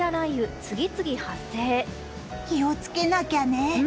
気をつけなきゃね。